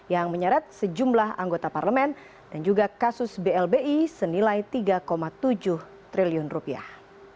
yang menyeret sejumlah anggota parlemen dan juga kasus blbi senilai tiga tujuh triliun rupiah